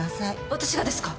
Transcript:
私がですか？